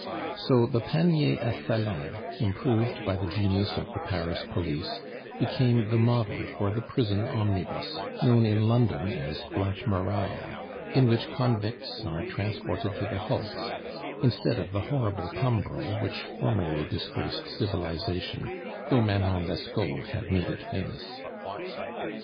So the panier a salade, improved by the genius of the Paris police, became the model for the prison omnibus (known in London as "Black Maria") in which convicts are transported to the hulks, instead of the horrible tumbril which formerly disgraced civilization, though Manon Lescaut had made it famous.